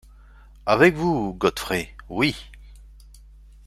Avec vous, Godfrey… oui !